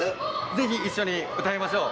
是非一緒に歌いましょう。